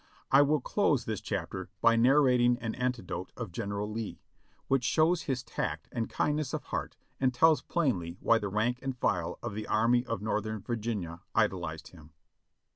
I will close this chapter by narrating an anecdote of General Lee, which shows his tact and kindness of heart and tells plainly why the rank and file of the Army of Northern Virginia idolized him.